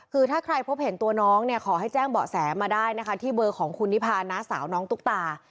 คือถ้าใครพบเห็นตัวน้องเนี่ยขอให้แจ้งเบาะแสมาได้นะคะที่เบอร์ของคุณนิพาน้าสาวน้องตุ๊กตา